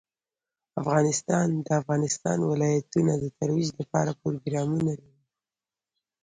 افغانستان د د افغانستان ولايتونه د ترویج لپاره پروګرامونه لري.